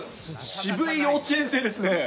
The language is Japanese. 渋い幼稚園生ですね。